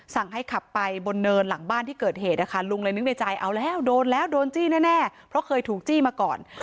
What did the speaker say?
สั่งให้ขับไปบนเนินหลังบ้านที่เกิดเหตุนะคะลุงเลยนึกในใจเอาแล้วโดนแล้วโดนจี้แน่เพราะเคยถูกจี้มาก่อน